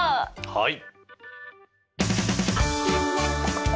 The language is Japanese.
はい！